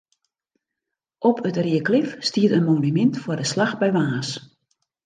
Op it Reaklif stiet in monumint foar de slach by Warns.